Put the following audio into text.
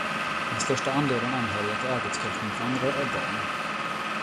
Den största andelen anhöriga till arbetskraftsinvandrare är barn.